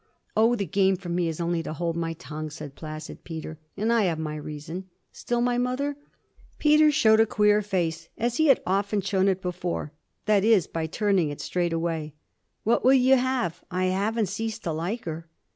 'Oh the game for me is only to hold my tongue,' said placid Peter. 'And I have my reason.' 'Still my mother?' Peter showed a queer face as he had often shown it before that is by turning it straight away. 'What will you have? I haven't ceased to like her.'